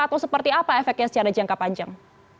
atau seperti apa efeknya secara jangka panjang